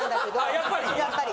やっぱり。